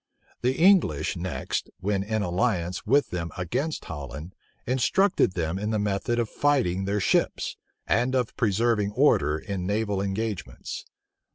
The English next, when in alliance with them against Holland, instructed them in the method of fighting their ships, and of preserving order in naval engagements.